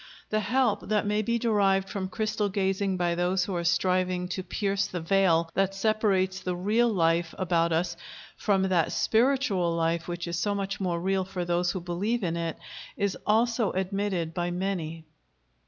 The help that may be derived from crystal gazing by those who are striving to pierce the veil that separates the "real life" about us from that spiritual life which is so much more real for those who believe in it, is also admitted by many.